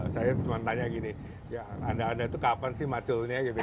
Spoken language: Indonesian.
saya cuma tanya gini ya anda anda itu kapan sih maculnya gitu